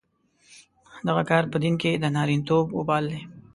دغه کار په دین کې د نارینتوب وبال دی.